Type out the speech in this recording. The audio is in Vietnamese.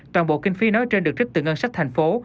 toàn bộ kinh phí nói trên được trích từ ngân sách thành phố